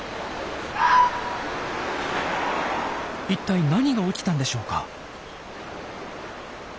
一体何が起きたんでしょうか？